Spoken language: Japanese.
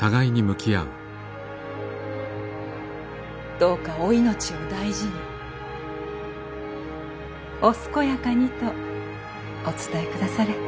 どうかお命を大事にお健やかにとお伝えくだされ。